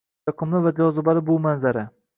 Yoqimli va jozibali bu manzara…